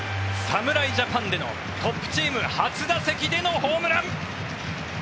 侍ジャパンでのトップチーム初打席でのホームラン。